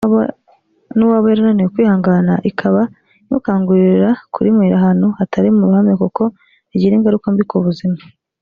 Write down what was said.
n’uwaba yarananiwe kwihangana ikaba imukangurira kurinywera ahantu hatari mu ruhame kuko rigira ingaruka mbi ku buzima